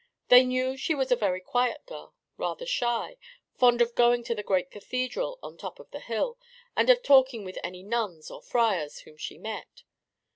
They knew she was a very quiet girl, rather shy, fond of going to the great Cathedral on top of the hill and of talking with any nuns or friars whom she met.